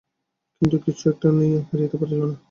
কিন্তু কিছু-একটা না বলিয়া আর ফিরিতে পারিল না।